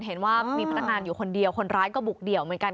เห็นว่ามีพนักงานอยู่คนเดียวคนร้ายก็บุกเดี่ยวเหมือนกัน